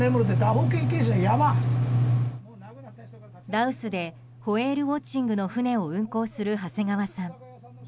羅臼でホエールウォッチングの船を運航する長谷川さん。